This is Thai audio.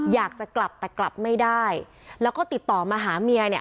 อยากจะกลับแต่กลับไม่ได้แล้วก็ติดต่อมาหาเมียเนี่ย